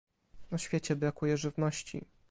Na świecie brakuje żywności